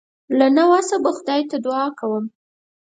له نه وسه به خدای ته دعا کوم.